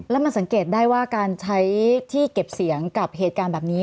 แล้วมันสังเกตได้ว่าการใช้ที่เก็บเสียงกับเหตุการณ์แบบนี้